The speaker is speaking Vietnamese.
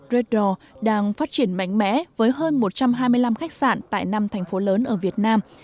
reddor đang phát triển mạnh mẽ với hơn một trăm hai mươi năm khách sạn tại năm thành phố lớn ở việt nam